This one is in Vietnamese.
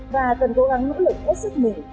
và cần cố gắng nỗ lực hết sức mình